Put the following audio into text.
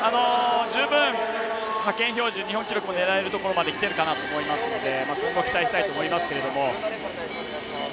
十分、派遣標準日本記録も狙えるところまできてるかなと思いますので今後、期待したいと思いますけど。